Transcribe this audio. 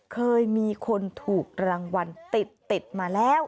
เคยมีคนถูกรางวัลติดมาแล้ว